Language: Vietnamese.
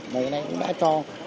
và cái này cũng đã cho